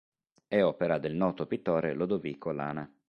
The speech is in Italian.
È opera del noto pittore Lodovico Lana.